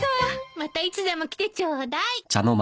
またいつでも来てちょうだい。